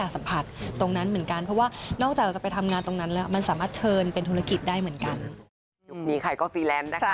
สมมติเราเล่นซีรีส์ของเกาหลี